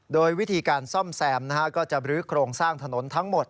โดยวิธีการซ่อมแซมก็จะบรื้อโครงสร้างถนนทั้งหมด